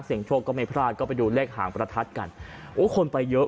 โชคก็ไม่พลาดก็ไปดูเลขหางประทัดกันโอ้คนไปเยอะ